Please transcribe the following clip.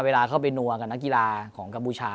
เวลาเข้าไปนัวกับนักกีฬาของกัมพูชา